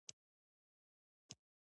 د خپلي مېني له چنارونو